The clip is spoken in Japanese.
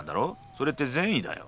それって善意だよ。